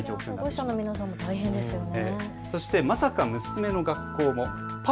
保護者の皆さんも大変ですよね。